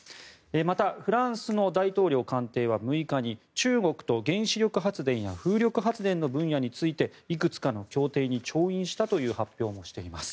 また、フランスの大統領官邸は６日に中国と原子力発電や風力発電の分野についていくつかの協定に調印したという発表もしています。